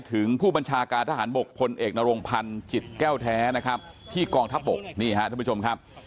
ถึงผู้บัญชากาทหารบกพลเอกนโรงพันธุ์จิตแก้วแท้ที่กองทัพบก